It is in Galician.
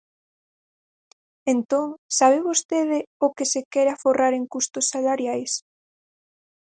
Entón, ¿sabe vostede o que se quere aforrar en custos salariais?